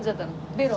ベロ？